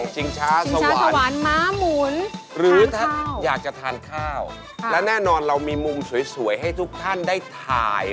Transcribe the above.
จิงช้าสวรรค์จิงช้าสวรรค์ม้ามุนทานข้าว